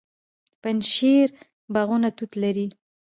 د پنجشیر باغونه توت لري.